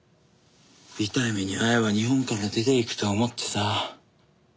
痛い目に遭えば日本から出ていくと思ってさ。